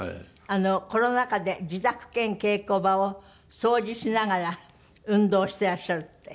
コロナ禍で自宅兼稽古場を掃除しながら運動していらっしゃるって？